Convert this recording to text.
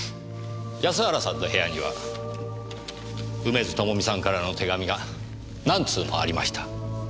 安原さんの部屋には梅津朋美さんからの手紙が何通もありました。